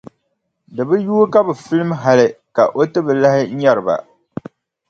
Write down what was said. Di bi yuui ka bɛ filim hali ka o ti bi lahi nyari ba.